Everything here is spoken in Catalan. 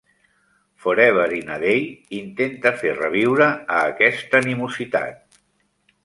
"Forever in a Day" intenta fer reviure a aquesta animositat.